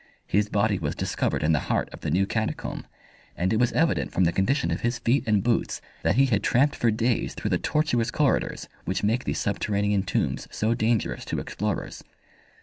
His body was discovered in the heart of the new catacomb, and it was evident from the condition of his feet and boots that he had tramped for days through the tortuous corridors which make these subterranean tombs so dangerous to explorers.